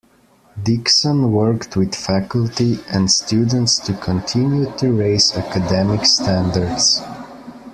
Dixon worked with faculty and students to continue to raise academic standards.